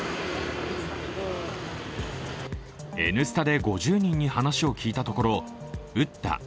「Ｎスタ」で５０人に話を聞いたところ、「打った」